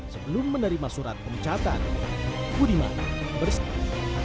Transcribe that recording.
sebelum menerima surat pemecatan budiman berstatus